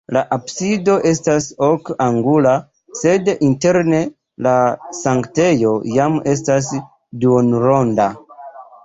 La absido estas ok-angula, sed interne la sanktejo jam estas duonronda.